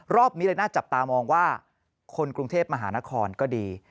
รอบนี้เลยน่าจับตามองว่าคนกรุงเทพมหานครก็ดี